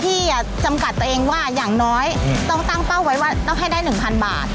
ที่จำกัดตัวเองว่าอย่างน้อยต้องตั้งเป้าไว้ว่าต้องให้ได้๑๐๐บาท